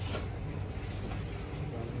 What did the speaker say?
สวัสดีครับ